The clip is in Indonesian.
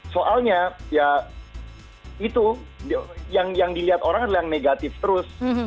soalnya ya itu yang dilihat orang adalah yang negatif terus